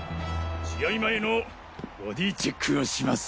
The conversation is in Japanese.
試合前のボディーチェックをします。